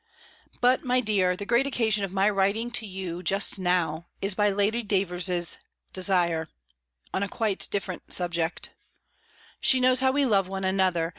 But, my dear, the great occasion of my writing to you just now, is by Lady Davers's desire, on a quite different subject. She knows how we love one another.